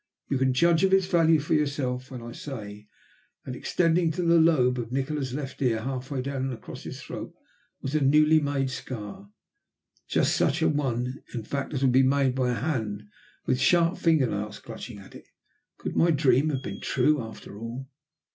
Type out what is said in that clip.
You can judge of its value for yourself when I say, that extending to the lobe of Nikola's left ear half way down and across his throat was a newly made scar, just such an one, in fact, as would be made by a hand with sharp finger nails clutching at it. Could my dream have been true, after all?